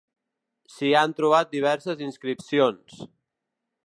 S'hi han trobat diverses inscripcions.